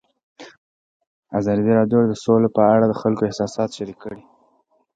ازادي راډیو د سوله په اړه د خلکو احساسات شریک کړي.